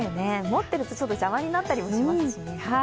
持ってると邪魔になったりしますしね。